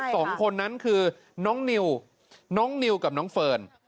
สองคนนั้นคือน้องนิวน้องนิวกับน้องเฟิร์น